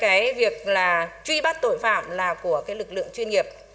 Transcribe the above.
cái việc là truy bắt tội phạm là của cái lực lượng chuyên nghiệp